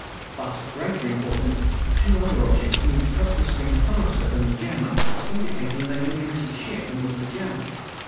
But, of greater importance, two other objects moved across the screen faster than the jammer, indicating they were nearer the ship than was the jammer.